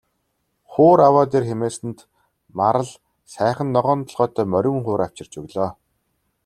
Хуур аваад ир хэмээсэнд Марал сайхан ногоон толгойтой морин хуур авчирч өглөө.